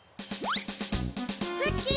ツッキー！